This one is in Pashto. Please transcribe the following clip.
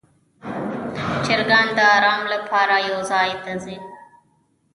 چرګان د آرام لپاره یو ځای ته ځي.